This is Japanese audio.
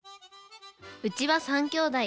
うちは３きょうだい。